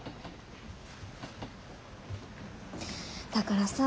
だからさ